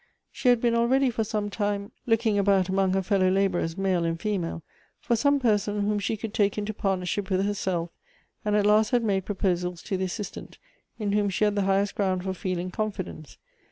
She had been already for some time looking Elective Afiinitibs. 221 about among her fellow laborers, male and female, for Bome person whom she could take into partnerahi]) with herself, and at last had made proposals to the Assis tant, in whom she had the highest ground for feeling con fidence.